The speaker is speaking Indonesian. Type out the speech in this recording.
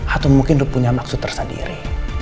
atau mungkin dia punya maksud tersendiri